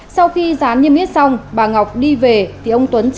sau khi gián niêm yết xong bà ngọc đi về thì ông tuấn chạy về